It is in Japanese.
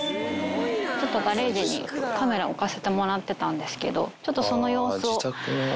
ちょっとガレージにカメラを置かせてもらってたんですけど、ちょっとその様子を。